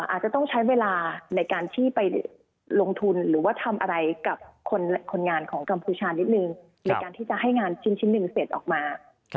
อาจจะต้องใช้เวลาในการที่ไปลงทุนหรือว่าทำอะไรกับคนงานของกัมพูชานิดนึงในการที่จะให้งานชิ้นหนึ่งเสร็จออกมา